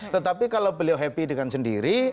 tetapi kalau beliau happy dengan sendiri